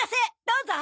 どうぞ。